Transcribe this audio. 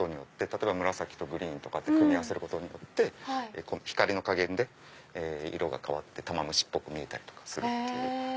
例えば紫とグリーンとかって組み合わせることによって光の加減で色が変わって玉虫っぽく見えたりするっていう。